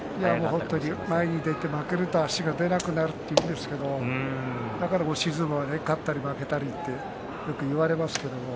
前に出ると足が出なくなるというんですがだから押し相撲は勝ったり負けたりということをよく言われます。